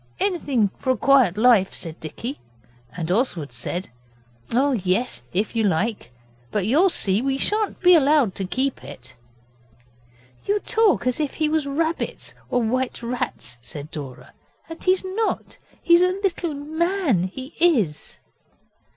'Anything for a quiet life,' said Dicky, and Oswald said 'Oh, yes, if you like. But you'll see we shan't be allowed to keep it.' 'You talk as if he was rabbits or white rats,' said Dora, 'and he's not he's a little man, he is.